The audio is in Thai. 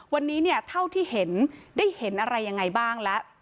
วันนี้เนี่ยเท่าที่เห็นได้เห็นอะไรยังไงบ้างแล้ว